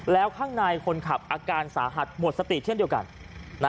แล้วข้างในคนขับอาการสาหัสหมดสติเช่นเดียวกัน